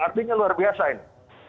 artinya luar biasa andy